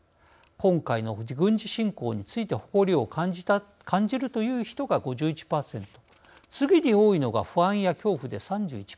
今回の軍事侵攻について誇りを感じるという人が５１％で次に多いのが不安や恐怖で３１％